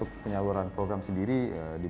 kondisi penyelesaian dan masyarakat